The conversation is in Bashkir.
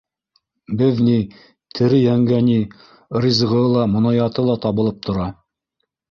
Беҙ ни... тере йәнгә ни... ризығы ла, монаяты ла табылып тора.